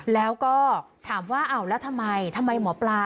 แล้วก็ถามว่าอ้าวแล้วทำไมทำไมหมอปลา